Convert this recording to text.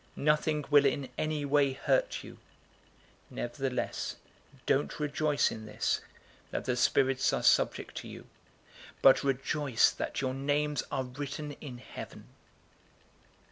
Nothing will in any way hurt you. 010:020 Nevertheless, don't rejoice in this, that the spirits are subject to you, but rejoice that your names are written in heaven."